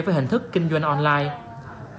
với hình thức kinh doanh online